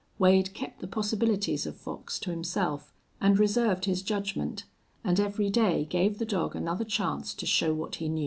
Wade kept the possibilities of Fox to himself and reserved his judgment, and every day gave the dog another chance to show what he knew.